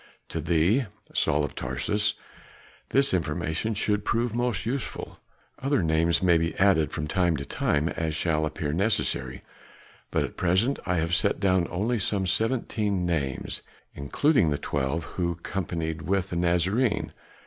"To thee, Saul of Tarsus, this information should prove most useful. Other names may be added from time to time as shall appear necessary, but at present I have set down only some seventeen names, including the twelve who companied with the Nazarene.